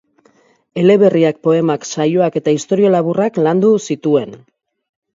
Eleberriak, poemak, saioak eta istorio laburrak landu zituen.